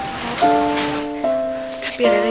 mak aku mau ke rumah